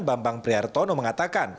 bambang priartono mengatakan